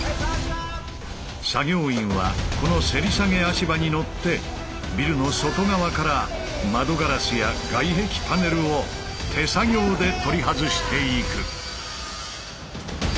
作業員はこのせり下げ足場に乗ってビルの外側から窓ガラスや外壁パネルを手作業で取り外していく。